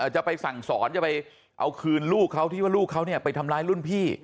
จะไปสั่งสอนจะไปเอาคืนลูกเขาที่ว่าลูกเขาเนี่ยไปทำร้ายรุ่นพี่